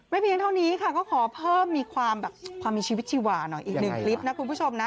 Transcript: เพียงเท่านี้ค่ะก็ขอเพิ่มมีความแบบความมีชีวิตชีวาหน่อยอีกหนึ่งคลิปนะคุณผู้ชมนะ